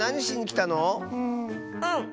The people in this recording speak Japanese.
うん。